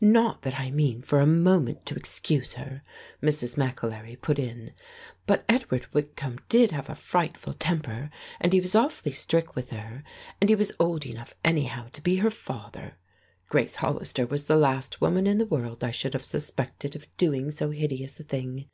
"Not that I mean for a moment to excuse her," Mrs. McAlery put in, "but Edward Whitcomb did have a frightful temper, and he was awfully strict with her, and he was old enough, anyhow, to be her father. Grace Hollister was the last woman in the world I should have suspected of doing so hideous a thing.